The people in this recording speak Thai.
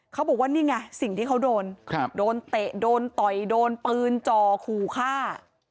เขาบอกว่านี่ไงสิ่งที่เขาโดนโดนเตะโดนต่อยโดนปืนจ่อขู่ฆ่า